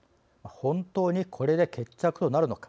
本当にこれで決着となるのか。